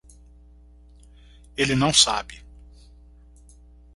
Ele não sabe